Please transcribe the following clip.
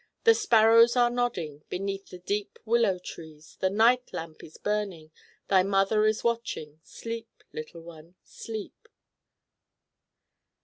The sparrows are nodding. Beneath the deep willow trees The night lamp is burning. Thy mother is watching, Sleep, little one, sleep."